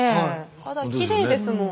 肌きれいですもん。